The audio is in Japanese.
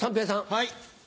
はい。